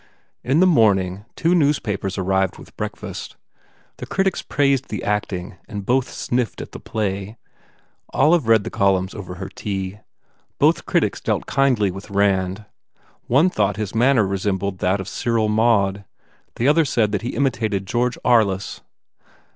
In the morning two newspapers arrived with breakfast. The critics praised the acting and both sniffed at the play. Olive read the columns over her tea. Both critics dealt kindly with Rand. One thought his manner resembled that of Cyril Maude, the other said that he imitated George Arliss.